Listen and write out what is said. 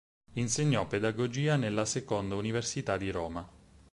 Insegnò Pedagogia nella seconda Università di Roma.